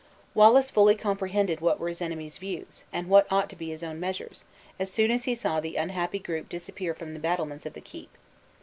Wallace fully comprehended what were his enemy's views, and what ought to be his own measures, as soon as he saw the unhappy group disappear from the battlements of the keep.